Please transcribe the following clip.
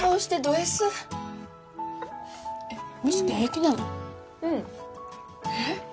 うんえっ？